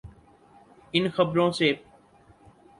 ان خبروں سے؟